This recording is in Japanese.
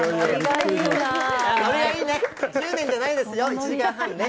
これはいいね、１０年じゃないですよ、１時間半ね。